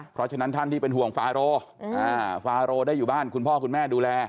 เพราะฉะนั้นท่านที่เป็นห่วงฟาโรฟาโรได้อยู่บ้านคุณพ่อคุณแม่ดูแล